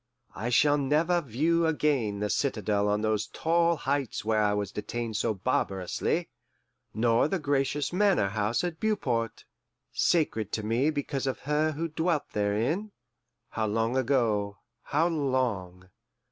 I shall never view again the citadel on those tall heights where I was detained so barbarously, nor the gracious Manor House at Beauport, sacred to me because of her who dwelt therein how long ago, how long!